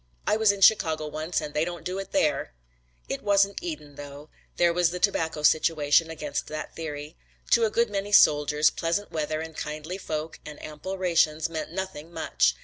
I was in Chicago once and they don't do it there." It wasn't Eden though. There was the tobacco situation against that theory. To a good many soldiers, pleasant weather and kindly folk and ample rations meant nothing much.